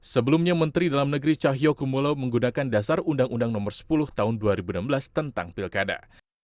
sebelumnya menteri dalam negeri cahyokumolo menggunakan dasar undang undang nomor sepuluh tahun dua ribu enam belas tentang pilkada